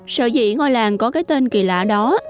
sở dĩ ngôi làng có cái tên kỳ lạ đó